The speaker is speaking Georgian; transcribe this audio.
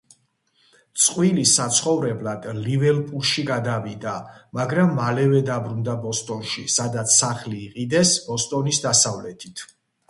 წყვილი საცხოვრებლად ლივერპულში გადავიდა, მაგრამ მალევე დაბრუნდა ბოსტონში, სადაც სახლი იყიდეს ბოსტონის დასავლეთით.